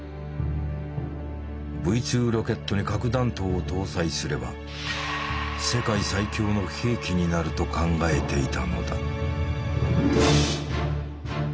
Ｖ２ロケットに核弾頭を搭載すれば世界最強の兵器になると考えていたのだ。